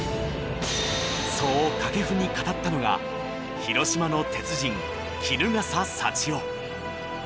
そう掛布に語ったのが広島の鉄人衣笠祥雄。